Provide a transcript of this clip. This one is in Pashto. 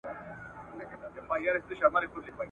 د هغو ورځو خواږه مي لا په خوله دي ,